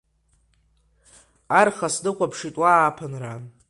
Арха снықәыԥшит уа Ааԥынран…